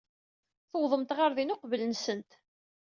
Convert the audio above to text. Tuwḍemt ɣer din uqbel-nsent.